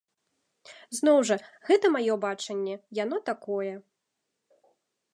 Зноў жа, гэта маё бачанне, яно такое.